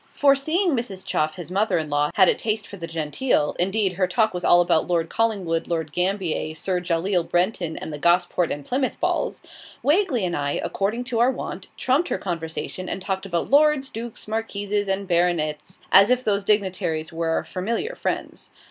For seeing Mrs. Chuff, his mother in law, had a taste for the genteel (indeed, her talk was all about Lord Collingwood, Lord Gambier, Sir Jahaleel Brenton, and the Gosport and Plymouth balls) Wagley and I, according to our wont, trumped her conversation, and talked about Lords, Dukes, Marquises, and Baronets, as if those dignitaries were our familiar friends.